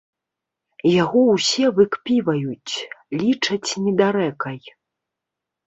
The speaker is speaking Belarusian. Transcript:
Яго ўсе выкпіваюць, лічаць недарэкай.